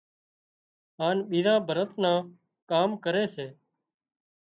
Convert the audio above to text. هانَ ٻيزان ڀرت نان ڪام ڪري سي